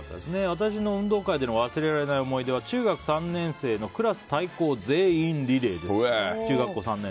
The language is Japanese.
私の運動会での忘れられない思い出は中学３年生のクラス対抗全員リレーです。